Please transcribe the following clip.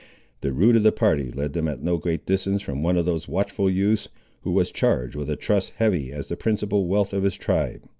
The route of the party led them at no great distance from one of those watchful youths, who was charged with a trust heavy as the principal wealth of his tribe.